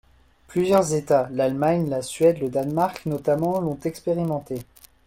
Plusieurs États, l’Allemagne, la Suède, le Danemark notamment, l’ont expérimenté.